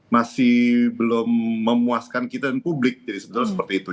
masih belum memuaskan kita dan publik jadi sebetulnya seperti itu